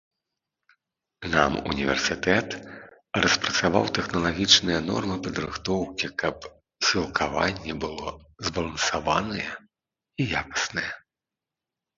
Нам універсітэт распрацаваў тэхналагічныя нормы падрыхтоўкі, каб сілкаванне было збалансаванае і якаснае.